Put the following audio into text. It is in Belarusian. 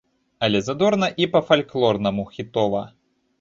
Але задорна і па-фальклорнаму хітова!